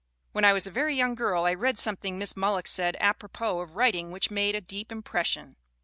"When I was a very young girl I read something Miss Mulock said apropos of writing which made a deep impression.